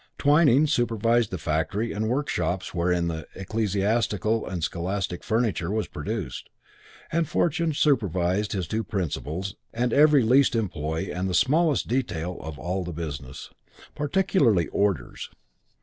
Twyning supervised the factory and workshops wherein the ecclesiastical and scholastic furniture was produced, and Fortune supervised his two principals and every least employee and smallest detail of all the business. Particularly orders.